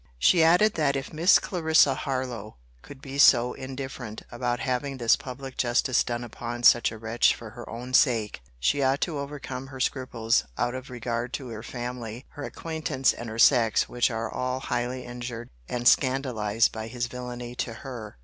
She added, that if Miss Clarissa Harlowe could be so indifferent about having this public justice done upon such a wretch for her own sake, she ought to overcome her scruples out of regard to her family, her acquaintance, and her sex, which are all highly injured and scandalized by his villany to her.